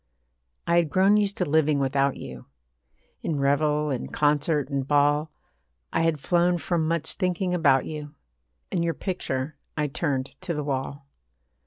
I had grown used to living without you. In revel and concert and ball, I had flown from much thinking about you, And your picture I turned to the wall.